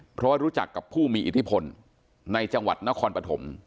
เพราะว่ารู้จักกับผู้มีอิทธิพลในจังหวัดนครปฐม